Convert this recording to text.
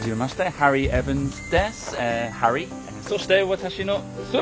そして私の妻。